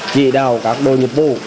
chỉ đào các bộ nhiệm vụ